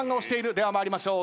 では参りましょう。